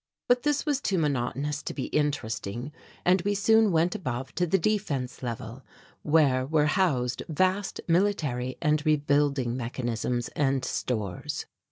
But this was too monotonous to be interesting and we soon went above to the Defence Level where were housed vast military and rebuilding mechanisms and stores.